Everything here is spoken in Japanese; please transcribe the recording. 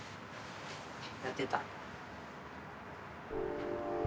やってた。